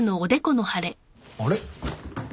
あれ？